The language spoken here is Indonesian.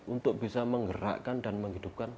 untuk bisa menggerakkan dan menghidupkan